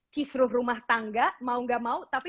kisruh rumah tangga mau gak mau tapi